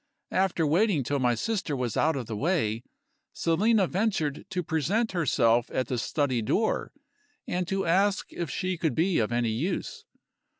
After waiting till my sister was out of the way, Selina ventured to present herself at the study door, and to ask if she could be of any use.